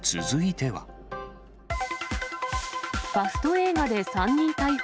ファスト映画で３人逮捕。